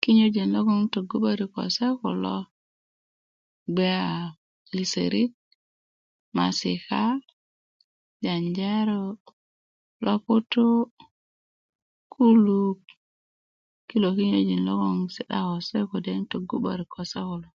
kinyöjin logon 'n togu 'böril ko se kulo bge a liserit maasika janjaro loputu kuluk kilo kinyöjin loŋ 'n si'da ko se ko se kode 'n togu 'börik ko se kulo